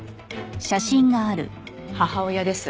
母親です。